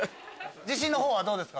自信の方はどうですか？